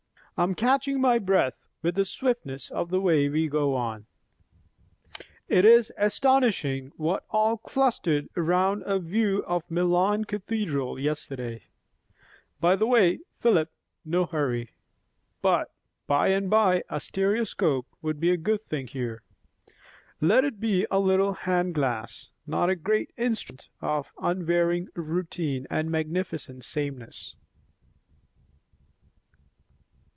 I am catching my breath, with the swiftness of the way we go on. It is astonishing, what all clustered round a view of Milan Cathedral yesterday. By the way, Philip, no hurry, but by and by a stereoscope would be a good thing here. Let it be a little hand glass, not a great instrument of unvarying routine and magnificent sameness."